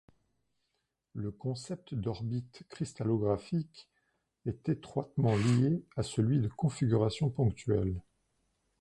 Le concept d'orbite cristallographique est étroitement lié à celui de configuration ponctuelle.